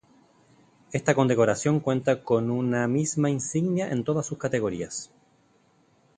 Esta condecoración cuenta con una misma insignia en todas sus categorías.